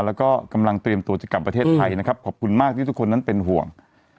แล้วก็กำลังเตรียมตัวจะกลับประเทศไทยนะครับขอบคุณมากที่ทุกคนนั้นเป็นห่วง